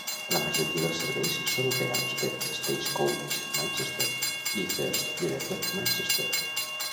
La majoria dels serveis són operats per Stagecoach Manchester i First Greater Manchester.